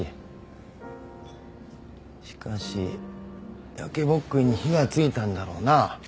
しかし焼けぼっくいに火が付いたんだろうな。